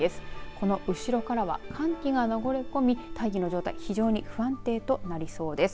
この後ろからは寒気が流れ込み、大気の状態非常に不安定となりそうです。